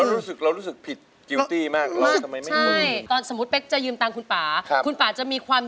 เออเรารู้สึกผิดกิลตี่มาก